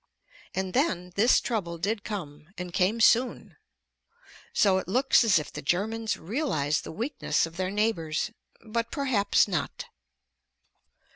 And then this trouble did come, and came soon. So it looks as if the Germans realized the weakness of their neighbors. But perhaps not.